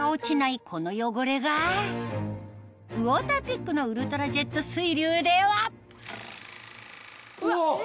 ウォーターピックのウルトラジェット水流ではうわっ！